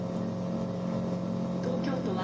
東京都は、